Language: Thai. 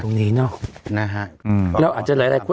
ตรงนี้เนอะนะฮะอืมเราอาจจะหลายหลายคน